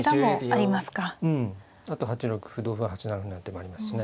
あと８六歩同歩８七歩なんて手もありますしね。